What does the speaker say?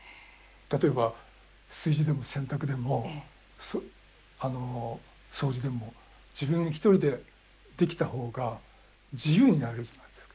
例えば炊事でも洗濯でも掃除でも自分一人でできた方が自由になれるじゃないですか。